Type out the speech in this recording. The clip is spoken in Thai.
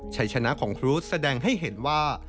ชัยชนะของครูสแสดงให้เห็นว่า